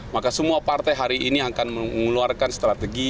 maka semua partai hari ini akan mengeluarkan strategi